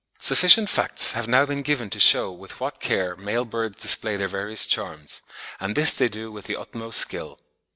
Sufficient facts have now been given to shew with what care male birds display their various charms, and this they do with the utmost skill.